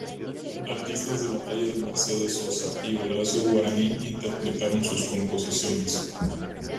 Artistas de la talla de Mercedes Sosa y Horacio Guarany interpretaron sus composiciones.